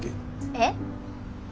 えっ？